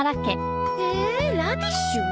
えラディッシュ？